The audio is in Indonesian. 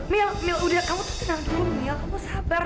mil udah kamu tuh senang dulu mil kamu sabar